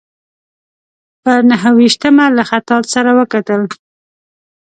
پر نهه ویشتمه له خطاط سره وکتل.